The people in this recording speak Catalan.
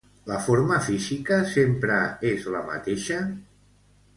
La forma física sempre és la mateixa?